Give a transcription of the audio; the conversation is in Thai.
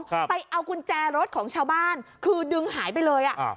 ครับไปเอากุญแจรถของชาวบ้านคือดึงหายไปเลยอ่ะอ่า